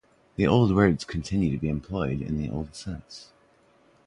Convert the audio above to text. The old words continue to be employed in the old sense.